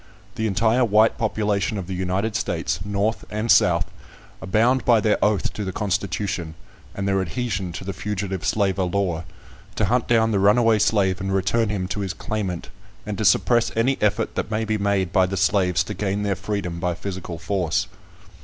The entire white population of the United States, North and South, are bound by their oath to the constitution, and their adhesion to the Fugitive Slaver Law, to hunt down the runaway slave and return him to his claimant, and to suppress any effort that may be made by the slaves to gain their freedom by physical force.